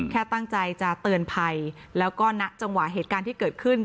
แค่ตั้งใจจะเตือนภัยแล้วก็ณจังหวะเหตุการณ์ที่เกิดขึ้น